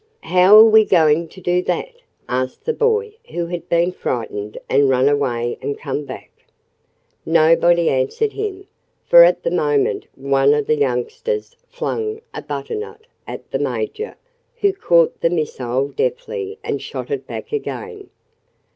"How're we going to do that?" asked the boy who had been frightened and run away and come back. Nobody answered him, for at that moment one of the youngsters flung a butternut at the Major, who caught the missile deftly and shot it back again.